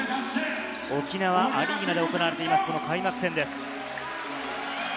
沖縄アリーナで行われています、開幕戦です。